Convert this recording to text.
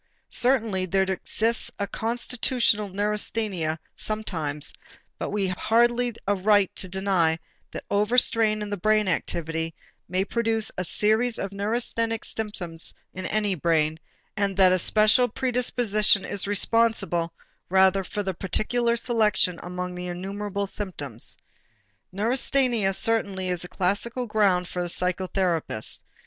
Certainly there exists a constitutional neurasthenia sometimes but we have hardly a right to deny that overstrain in the brain activity may produce a series of neurasthenic symptoms in any brain, and the special predisposition is responsible rather for the particular selection among the innumerable symptoms. Neurasthenia certainly is the classical ground for the psychotherapist.